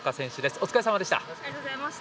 お疲れさまでした。